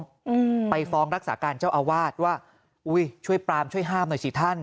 อืมไปฟ้องรักษาการเจ้าอาวาสว่าอุ้ยช่วยปรามช่วยห้ามหน่อยสิท่าน